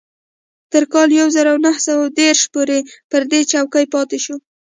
تر کال يو زر و نهه سوه دېرش پورې پر دې څوکۍ پاتې شو.